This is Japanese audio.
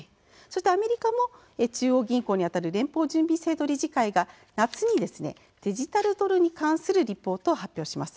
アメリカも中央銀行に当たる連邦準備制度理事会が夏にデジタルドルに関するリポートを発表します。